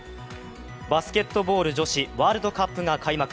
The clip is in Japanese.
バスケットボール女子ワールドカップが開幕。